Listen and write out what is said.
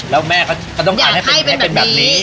แล้วแม่ก็ต้องการให้เป็นแบบนี้